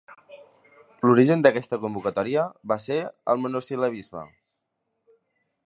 L'origen d'aquesta convocatòria va ser el monosil·labisme.